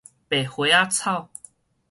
白花仔草